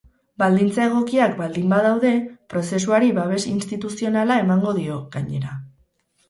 Baldintza egokiak baldin badaude, prozesuari babes instituzionala emango dio, gainera.